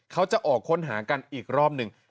เขาจะออกค้นหากันอีกรอบหนึ่ง